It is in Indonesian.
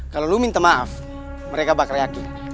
kalau lo minta maaf mereka bakar yakin